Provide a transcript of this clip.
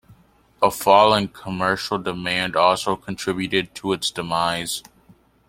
A fall in commercial demand also contributed to its demise.